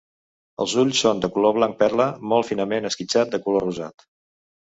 Els ulls són de color blanc perla, molt finament esquitxat de color rosat.